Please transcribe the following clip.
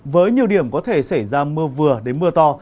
với nhiều điểm có thể xảy ra mưa vừa đến mưa to